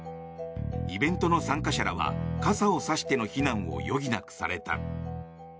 イベントの参加者らは傘をさしての避難を余儀なくされた。